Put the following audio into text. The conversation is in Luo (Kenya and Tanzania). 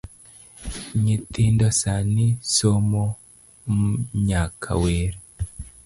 Nyithindo sani somomnyaka wer